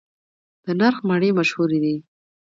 د نرخ مڼې مشهورې دي